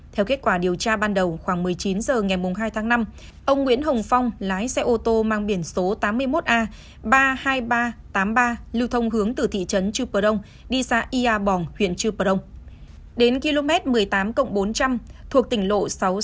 theo kết quả điều tra ban đầu khoảng một mươi chín h ngày hai tháng năm ông nguyễn hồng phong lái xe ô tô mang biển số tám mươi một a ba mươi hai nghìn ba trăm tám mươi ba lưu thông hướng từ thị trấn trưu bờ đông đi xa yà bòng huyện trưu bờ đông đến km một mươi tám bốn trăm linh thuộc tỉnh lộ sáu trăm sáu mươi ba